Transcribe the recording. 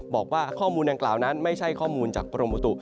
บอกว่าข้อมูลดังกล่าวนั้นไม่ใช่ข้อมูลจากกรมอุตุ